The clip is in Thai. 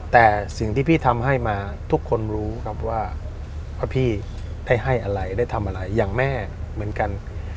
แต่สิ่งที่พี่ทำให้มาทุกคนรู้ครับว่าพระพี่ได้ให้อะไรได้ทำอะไรอย่างแม่เหมือนกัน